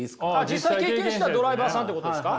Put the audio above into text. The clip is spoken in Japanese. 実際経験したドライバーさんってことですか？